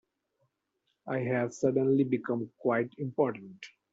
I've suddenly become quite important.